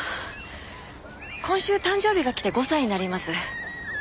今週誕生日が来て５歳になります。